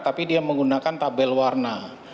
tapi dia menggunakan tabel warna